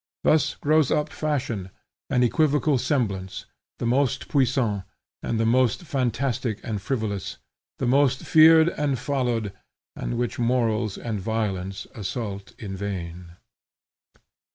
Thus grows up Fashion, an equivocal semblance, the most puissant, the most fantastic and frivolous, the most feared and followed, and which morals and violence assault in vain.